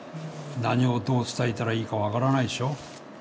何をどう伝えたらいいか分からないでしょ